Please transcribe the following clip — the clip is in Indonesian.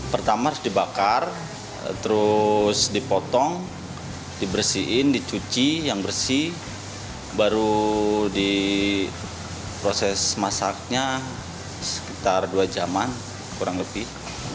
pertama dibakar terus dipotong dibersihin dicuci yang bersih baru diproses masaknya sekitar dua jam kurang lebih